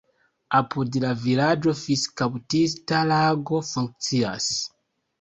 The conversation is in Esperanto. Apud la vilaĝo fiŝkaptista lago funkcias.